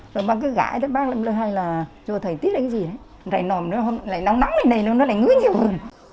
rồi bác cứ gãi bác lâm lơ hay là cho thầy tiết lên cái gì rảy nòm nó lại nóng nắng lên đây nó lại ngứa nhiều hơn